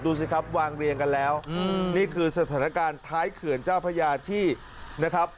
ดูสิครับวางเรียงกันแล้วนี่คือสถานการณ์ท้ายเขื่อนเจ้าพระยาที่นะครับ